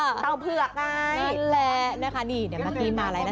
หมดเลยอ่ะค่ะต้องเผือกไงนั่นแหละนะคะนี่เนี้ยเมื่อกี้มาอะไรนะ